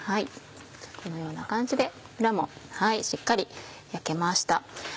このような感じで裏もしっかり焼けました。